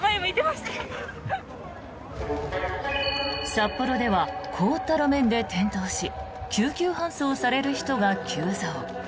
札幌では凍った路面で転倒し救急搬送される人が急増。